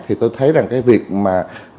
thì tôi thấy rằng cái việc mà